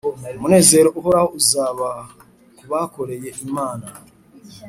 Umunezero uhoraho uzaba ku bakoreye Imana